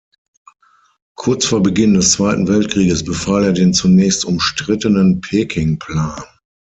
Kurz vor Beginn des Zweiten Weltkrieges befahl er den zunächst umstrittenen Peking-Plan.